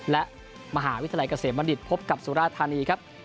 และมหาวิทยาลัยเกษมบัณฑิตพบกับสุราธานีครับ